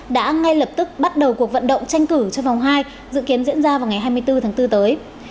đã ngay lập tức bắt đầu cuộc vận động tranh cử cho vòng hai dự kiến diễn ra vào ngày hai mươi bốn tháng bốn tới